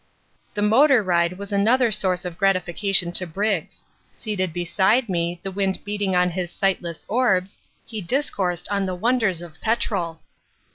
The motor ride was another source of gratification to Briggs. Seated beside me, the wind beating on his sightless orbs, he discoursed of the wonders of petrol.